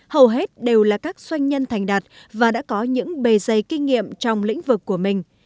hầu hết đều là các doanh nhân thành đạt và đã có những bề dây kinh nghiệm trong lĩnh vực của mình